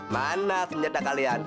mana senjata kalian